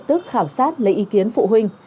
tức khảo sát lấy ý kiến phụ huynh